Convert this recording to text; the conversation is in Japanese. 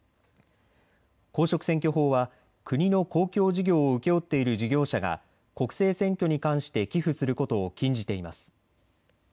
公職選挙法は国の公共事業を請け負っている事業者が国政選挙に関して寄付することを禁じています。